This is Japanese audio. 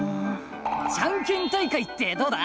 ジャンケン大会ってどうだ？